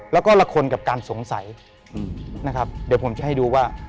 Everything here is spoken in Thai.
แล้วก็ละคนกับการสงสัยนะครับเดี๋ยวผมจะให้ดูว่า